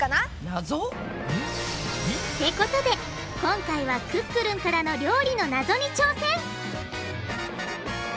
ナゾ？ってことで今回はクックルンからの料理のナゾに挑戦！